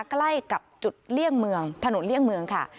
ใกล้กับจุดเลี่ยงเมืองถนนเลี่ยงเมืองค่ะ